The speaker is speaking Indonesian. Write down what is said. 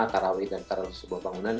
karawi dan karusubah bangunan